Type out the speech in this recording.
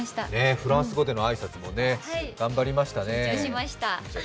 フランス語での挨拶も頑張りましたね。